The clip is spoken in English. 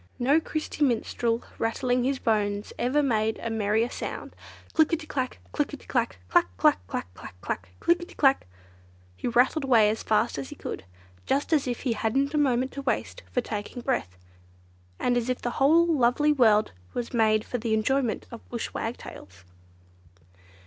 No Christy Minstrel rattling his bones ever made a merrier sound. "Click i ti clack, click i ti clack, clack, clack, clack, clack, click i ti clack," he rattled away as fast as he could, just as if he hadn't a moment to waste for taking breath, and as if the whole lovely world was made for the enjoyment of Bush Wagtails.